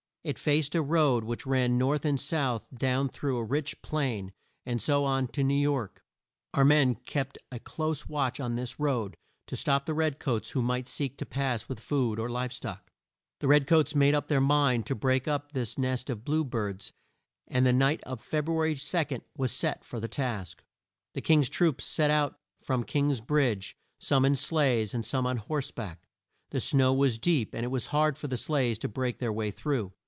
It faced a road which ran north and south down through a rich plain, and so on to New York. Our men kept a close watch on this road, to stop the red coats who might seek to pass with food or live stock. The red coats made up their mind to break up this nest of blue birds, and the night of Feb ru a ry 2, was set for the task. The King's troops set out from King's Bridge, some in sleighs and some on horse back. The snow was deep, and it was hard for the sleighs to break their way through.